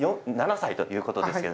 ３７歳ということですね。